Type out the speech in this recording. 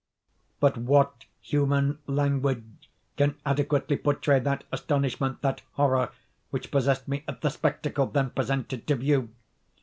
But what human language can adequately portray that astonishment, that horror which possessed me at the spectacle then presented to view?